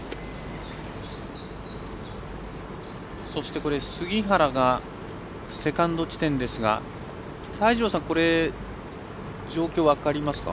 そして、杉原がセカンド地点ですが泰二郎さん、これ状況、分かりますか？